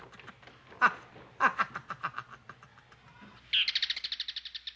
ハハハハハ。